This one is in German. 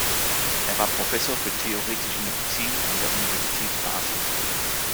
Er war Professor für theoretische Medizin an der Universität Basel.